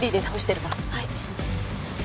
はい。